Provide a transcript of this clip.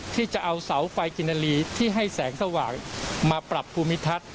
ที่จะเอาเสาไฟกินนาลีที่ให้แสงสว่างมาปรับภูมิทัศน์